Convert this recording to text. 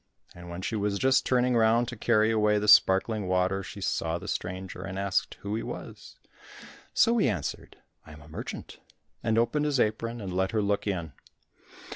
And when she was just turning round to carry away the sparkling water she saw the stranger, and asked who he was. So he answered, "I am a merchant," and opened his apron, and let her look in.